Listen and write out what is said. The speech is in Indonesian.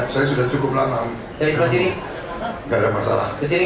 saya sudah cukup lama jadi tidak ada masalah